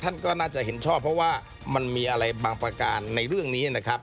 ท่านก็น่าจะเห็นชอบเพราะว่ามันมีอะไรบางประการในเรื่องนี้นะครับ